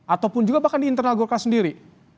ataupun juga bahkan di internal golkar sendiri